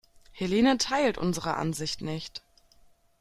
Helene teilt unsere Ansicht nicht.